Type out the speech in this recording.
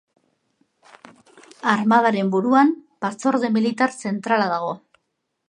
Armadaren buruan Batzorde Militar Zentrala dago.